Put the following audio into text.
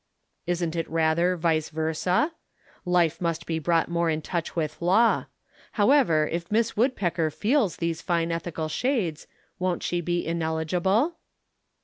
"Isn't it rather vice versâ? Life must be brought more in touch with law. However, if Miss Woodpecker feels these fine ethical shades, won't she be ineligible?"